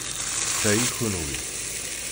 Ta i kenwi.